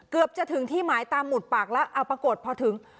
เกือบจะถึงที่หมายตามหุดปากแล้วเอาปรากฏพอถึง